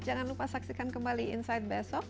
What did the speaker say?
jangan lupa saksikan kembali insight besok